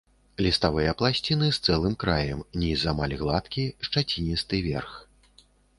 Ліставыя пласціны з цэлым краем, ніз амаль гладкі, шчаціністы верх.